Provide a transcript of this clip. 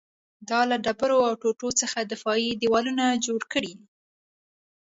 دا له ډبرو او ټوټو څخه دفاعي دېوالونه جوړ کړي